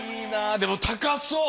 でも高そう。